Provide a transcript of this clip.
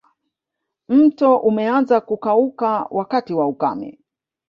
Mto umeanza kukauka wakati wa ukame